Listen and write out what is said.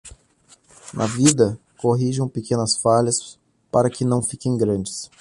Na vida, corrijam pequenas falhas para que não fiquem grandes.